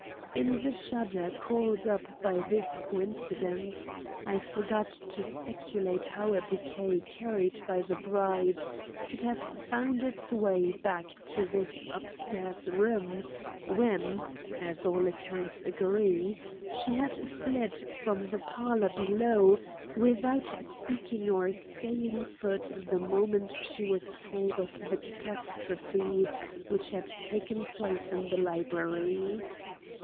In the shudder called up by this coincidence I forgot to speculate how a bouquet carried by the bride could have found its way back to this upstairs room when, as all accounts agree, she had fled from the parlor below without speaking or staying foot the moment she was told of the catastrophe which had taken place in the library.